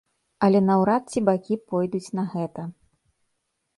Але наўрад ці бакі пойдуць на гэта.